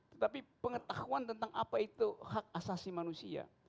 tetapi pengetahuan tentang apa itu hak asasi manusia